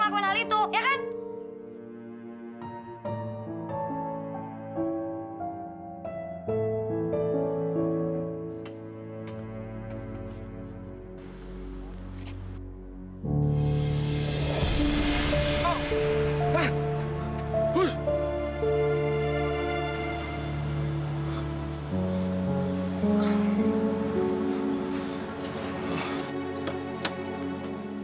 pa pauzan tuh emang bener bener keterlaluan